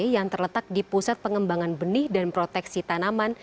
yang terletak di pusat pengembangan benih dan proteksi tanaman